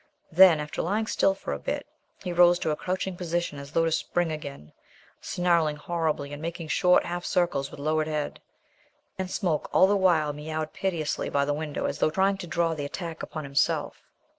Then, after lying still for a bit, he rose to a crouching position as though to spring again, snarling horribly and making short half circles with lowered head. And Smoke all the while meowed piteously by the window as though trying to draw the attack upon himself.